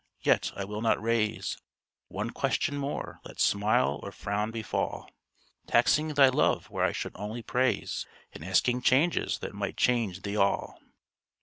Yet I will not raise One question more, let smile or frown befall, Taxing thy love where I should only praise, And asking changes that might change thee all.